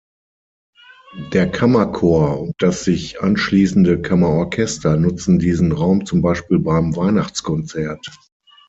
Der Kammerchor und das sich anschließende Kammerorchester nutzen diesen Raum zum Beispiel beim Weihnachtskonzert.